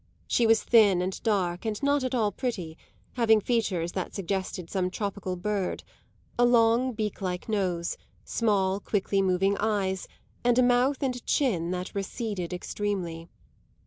She was thin and dark and not at all pretty, having features that suggested some tropical bird a long beak like nose, small, quickly moving eyes and a mouth and chin that receded extremely.